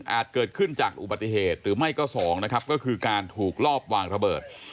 เกิดขึ้นจากอุบัติเหตุหรือไม่ก็สองนะครับก็คือการถูกลอบวางระเบิด